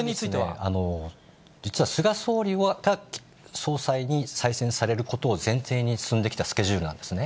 実は、菅総理が総裁に再選されることを前提に進んできたスケジュールなんですね。